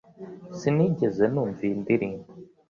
Sinigeze numva iyi ndirimbo.